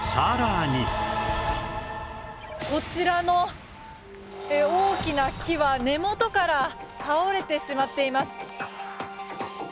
こちらの大きな木は根元から倒れてしまっています。